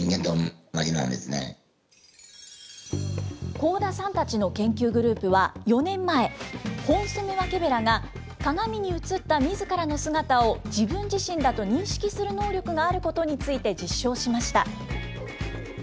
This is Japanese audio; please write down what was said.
幸田さんたちの研究グループは、４年前、ホンソメワケベラが鏡に映ったみずからの姿を自分自身だと認識する能力があることについて実証しました。